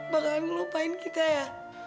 bakalan ngelupain kita ya